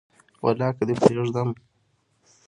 ولاکه دي پریږدم